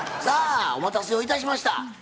さあお待たせをいたしました。